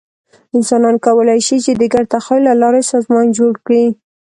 انسانان کولی شي، چې د ګډ تخیل له لارې سازمان جوړ کړي.